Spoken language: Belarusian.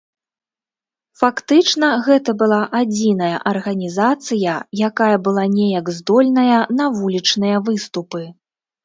Фактычна гэта была адзіная арганізацыя, якая была неяк здольная на вулічныя выступы.